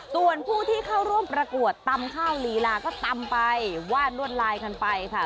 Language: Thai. ส่วนผู้ที่เข้าร่วมประกวดตำข้าวลีลาก็ตำไปวาดลวดลายกันไปค่ะ